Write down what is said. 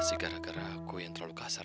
pasti gara garaku yang terlalu kasar